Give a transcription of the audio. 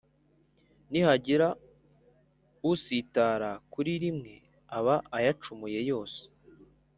nihagira usitara kuri rimwe aba ayacumuye yose